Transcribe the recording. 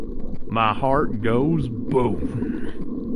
My Heart Goes Boom!